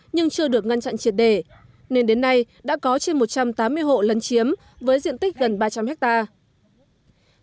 nhưng chưa được ngăn chặn triệt đề nên đến nay đã có trên một trăm tám mươi hộ lấn chiếm với diện tích gần ba trăm linh hectare